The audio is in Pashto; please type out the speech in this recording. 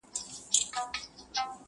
د هلمند څخه شرنګى د امېلونو!.